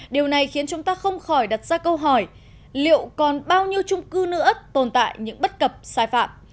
điều này khiến chúng ta không khỏi đặt ra câu hỏi liệu còn bao nhiêu trung cư nữa tồn tại những bất cập sai phạm